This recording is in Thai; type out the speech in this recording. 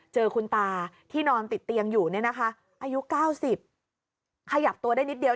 เจอคุณตาที่นอนติดเตียงอยู่เนี่ยนะคะอายุ๙๐ขยับตัวได้นิดเดียว